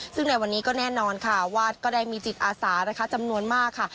ซึ่งในวันนี้ก็แน่นอนค่ะว่าก็ได้มีจิตอาสานะคะจำนวนมากค่ะ